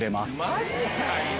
マジかいな。